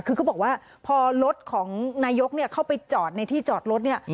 คือเขาบอกว่าพอรถของนายกเข้าไปจอดในที่จอดรถเนี่ย